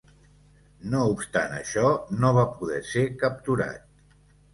No obstant això, no va poder ser capturat.